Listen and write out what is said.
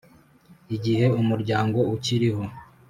Igihe umuryango ukiriho